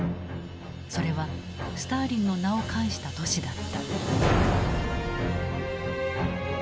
それはスターリンの名を冠した都市だった。